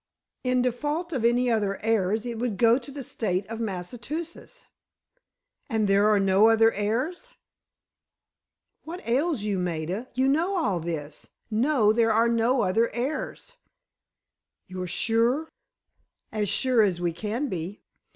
"In default of any other heirs, it would go to the State of Massachusetts." "And there are no other heirs?" "What ails you, Maida? You know all this. No, there are no other heirs." "You're sure?" "As sure as we can be.